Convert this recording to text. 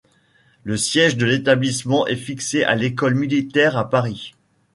Le siège de l’établissement est fixé à l’École militaire à Paris.